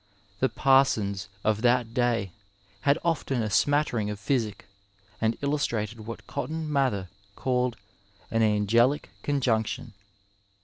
The par sons of that day had often a smattering of physic, and illustrated what Cotton Mather called an angelical con junction."